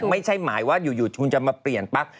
ไม่ใช่หมายว่าอยู่คุณจะมาเปลี่ยนปั๊บ